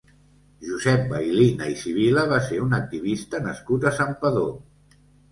Josep Bailina i Sivila va ser un activista nascut a Santpedor.